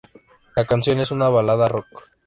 La canción es una balada rock.